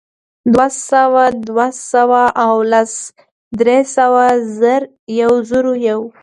دوهسوه، دوه سوه او لس، درې سوه، زر، یوزرویو